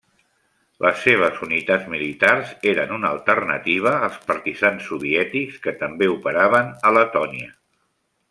Les seves unitats militars eren una alternativa als partisans soviètics que també operaven a Letònia.